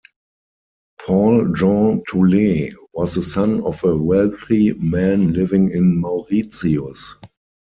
Paul-Jean Toulet was the son of a wealthy man living in Mauritius.